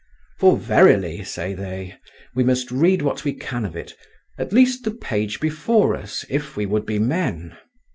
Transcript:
For verily, say they, we must read what we can of it, at least the page before us, if we would be men.